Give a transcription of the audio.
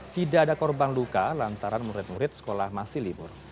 tidak ada korban luka lantaran murid murid sekolah masih libur